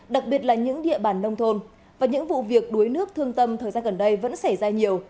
đặc biệt là những địa bàn nông thôn và những vụ việc đuối nước thương tâm thời gian gần đây vẫn xảy ra nhiều